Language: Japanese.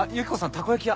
たこ焼き屋！